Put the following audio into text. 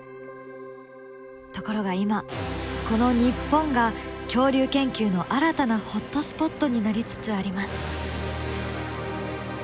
ところが今この日本が恐竜研究の新たなホットスポットになりつつあります。